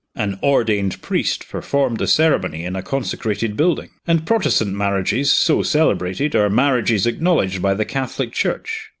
An ordained priest performed the ceremony in a consecrated building and Protestant marriages, so celebrated, are marriages acknowledged by the Catholic Church.